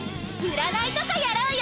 占いとかやろうよ！